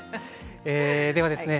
ではですね